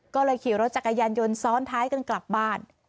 ก็เลยขี่รถจักรยานยนต์ซ้อนท้ายกันกลับบ้าน